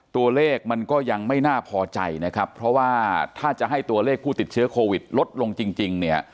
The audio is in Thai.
๔๕ตัวเลขยังไม่พอใจนะครับคือถ้าจะให้ผู้ติดเชื้อโควิดลดลงจริง